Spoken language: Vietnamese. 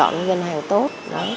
chọn những ngân hàng tốt